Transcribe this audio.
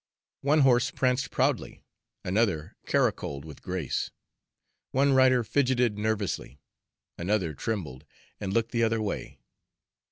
One horse pranced proudly, another caracoled with grace. One rider fidgeted nervously, another trembled and looked the other way.